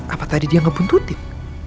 apa tadi dia ngebuntutin